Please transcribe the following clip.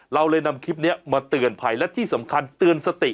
เราเลยนำคลิปนี้มาเตือนภัยและที่สำคัญเตือนสติ